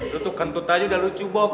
lo tuh kentut aja udah lucu bob